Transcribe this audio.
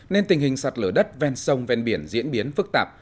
nên tình hình sạt lở đất ven sông ven biển diễn biến phức tạp